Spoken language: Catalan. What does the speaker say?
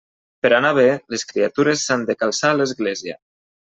Per anar bé, les criatures s'han de calçar a l'església.